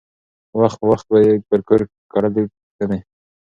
وخت په وخت به یې پر کور کړلی پوښتني